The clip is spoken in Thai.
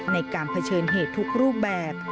ในการเผชิญเหตุทุกรูปแบบ